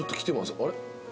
あれ？